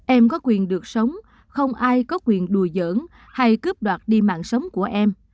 em có quyền được sống không ai có quyền đùa giỡn hay cướp đoạt đi mạng sống của em